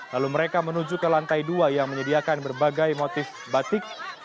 lalu mereka menuju ke lantai dua yang menyediakan berbagai motif batik